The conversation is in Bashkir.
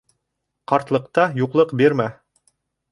Ҡартлыҡта юҡлыҡ бирмә